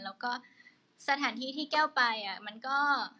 แล้วก็สถานที่ที่แก้วไปมันก็